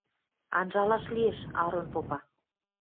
– Анжалаш лиэш, – Арон попа.